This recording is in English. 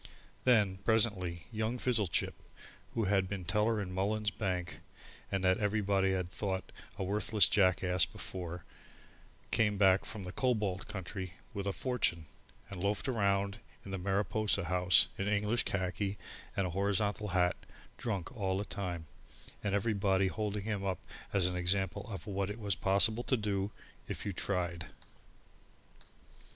Then presently young Fizzlechip, who had been teller in Mullins's Bank and that everybody had thought a worthless jackass before, came back from the Cobalt country with a fortune, and loafed round in the Mariposa House in English khaki and a horizontal hat, drunk all the time, and everybody holding him up as an example of what it was possible to do if you tried.